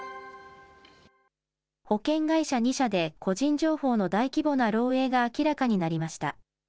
保険会社２社で、個人情報の大規模な漏えいが明らかになりました。